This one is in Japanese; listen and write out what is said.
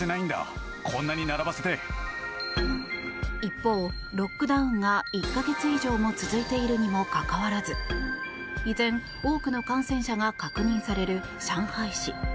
一方、ロックダウンが１か月以上も続いているにもかかわらず依然多くの感染者が確認される上海市。